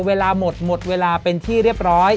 เวลาหมดหมดเวลาเป็นที่เรียบร้อย